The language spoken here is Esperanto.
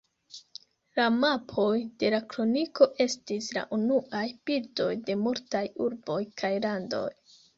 La mapoj de la Kroniko estis la unuaj bildoj de multaj urboj kaj landoj.